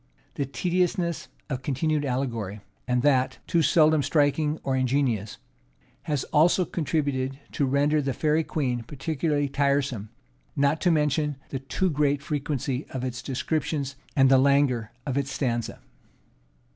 The tediousness of continued allegory, and that, too, seldom striking or ingenious, has also contributed to render the Fairy Queen peculiarly tiresome; not to mention the too great frequency of its descriptions, and the languor of its stanza.